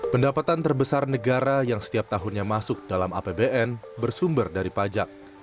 pendapatan terbesar negara yang setiap tahunnya masuk dalam apbn bersumber dari pajak